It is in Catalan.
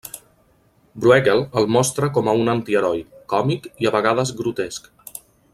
Brueghel el mostra com a un antiheroi, còmic i a vegades grotesc.